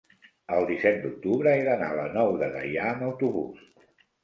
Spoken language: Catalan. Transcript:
el disset d'octubre he d'anar a la Nou de Gaià amb autobús.